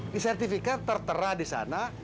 di sertifikat tertera disana